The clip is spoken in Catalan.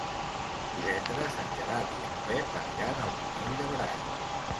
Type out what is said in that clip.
Divendres en Gerard i en Pep aniran al Pinell de Brai.